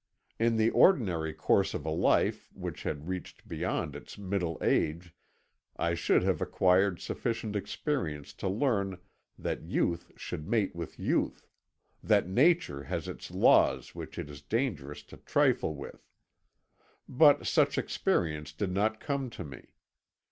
In the ordinary course of a life which had reached beyond its middle age I should have acquired sufficient experience to learn that youth should mate with youth that nature has its laws which it is dangerous to trifle with. But such experience did not come to me.